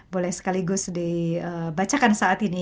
boleh sekaligus dibacakan saat ini